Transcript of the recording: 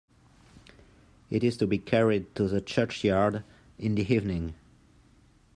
It is to be carried to the churchyard in the evening.